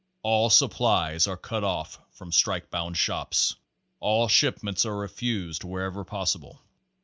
All supplies are cut off from strike bound shops. All shipments are refused wher ever possible.